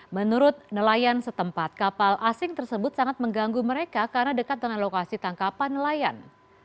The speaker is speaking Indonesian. menurut nelayan setempat kapal asing tersebut sangat mengganggu mereka karena dekat dengan lokasi tangkapan nelayan